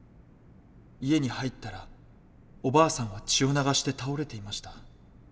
家に入ったらおばあさんは血を流して倒れていました。